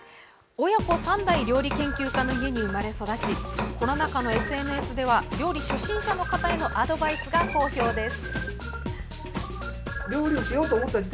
親子３代料理研究家の家に生まれ育ちコロナ禍のＳＮＳでは料理初心者の方へのアドバイスが好評です。